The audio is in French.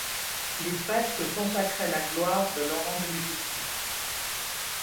Les fresques consacraient la gloire de Laurent de Médicis.